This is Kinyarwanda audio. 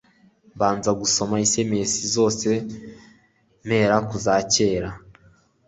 mbanza gusoma sms zose mpera kuza cyera